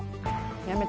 やめて。